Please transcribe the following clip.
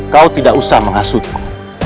kau tidak usah menghasutku